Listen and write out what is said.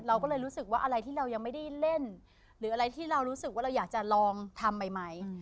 เราก็เลยรู้สึกว่าอะไรที่เรายังไม่ได้เล่นหรืออะไรที่เรารู้สึกว่าเราอยากจะลองทำใหม่ไหม